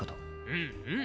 うんうん。